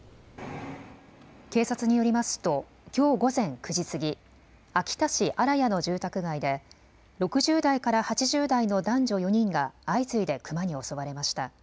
警察によりますときょう午前９時過ぎ、秋田市新屋の住宅街で６０代から８０代の男女４人が相次いでクマに襲われました。